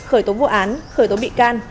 khởi tố vụ án khởi tố bị can